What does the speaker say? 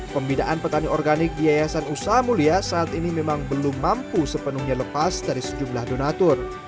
pembinaan petani organik di yayasan usaha mulia saat ini memang belum mampu sepenuhnya lepas dari sejumlah donatur